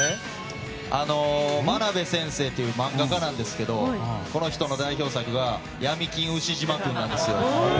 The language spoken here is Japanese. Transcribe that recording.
真鍋先生という漫画家なんですけどこの人の代表作が「闇金ウシジマくん」なんです。